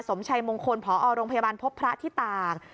สมชัยมงคลพอโรงพยาบาลพบพระที่ต่าง